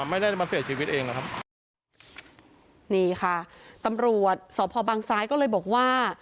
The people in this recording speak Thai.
ไม่ได้มาเสียชีวิตเองหรอกครับนี่ค่ะตำรวจสพบังซ้ายก็เลยบอกว่า